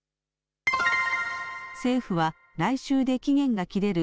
政府は来週で期限が切れる